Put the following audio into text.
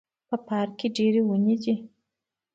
په پارک کې ډیري وني دي